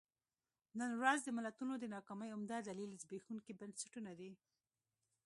نن ورځ د ملتونو د ناکامۍ عمده دلیل زبېښونکي بنسټونه دي.